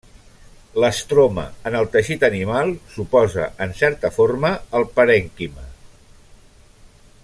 L'estroma en el teixit animal s'oposa, en certa forma, al parènquima.